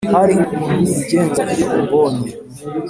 hari ukuntu ubigenza iyo umbonye